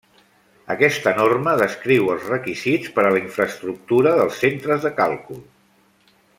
Aquesta norma descriu els requisits per a la infraestructura dels centres de càlcul.